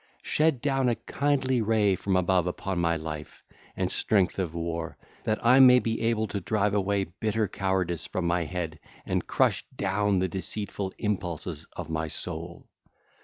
Shed down a kindly ray from above upon my life, and strength of war, that I may be able to drive away bitter cowardice from my head and crush down the deceitful impulses of my soul.